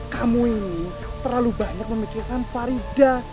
kamu ini terlalu banyak memikirkan farida